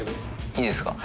いいですか。